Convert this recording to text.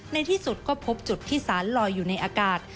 ในที่สุดก็พบจุดที่สารลอยอยู่ในอากาศ